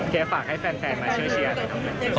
ครับแค่ฝากให้แฟนมาช่วยเชียร์นะครับ